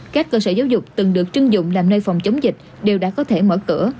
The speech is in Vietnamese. các cơ sở giáo dục từng được chưng dụng làm nơi phòng chống dịch đều đã có thể mở cửa